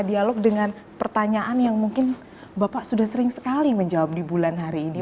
dialog dengan pertanyaan yang mungkin bapak sudah sering sekali menjawab di bulan hari ini